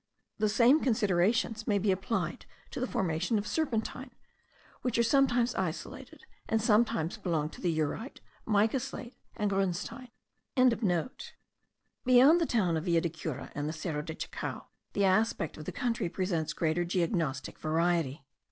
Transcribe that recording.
The same considerations may be applied to the formations of serpentine, which are sometimes isolated, and sometimes belong to the eurite, mica slate, and grunstein.) Beyond the town of Villa de Cura and the Cerro de Chacao the aspect of the country presents greater geognostic variety.